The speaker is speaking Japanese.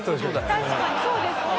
確かにそうですね。